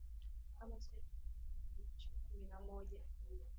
ama siku ya mapinduzi ya machi kumi na moja